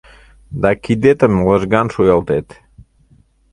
Да кидетым лыжган шуялтет.